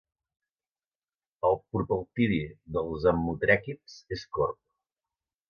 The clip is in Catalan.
El propeltidi dels ammotrèquids és corb.